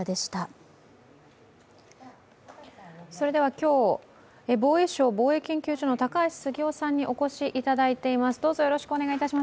今日、防衛省防衛研究所の高橋杉雄さんにお越しいただいています。